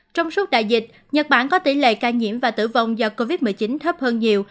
trong suốt đại dịch nhật bản có tỷ lệ ca nhiễm và tử vong do covid một mươi chín thấp hơn nhiều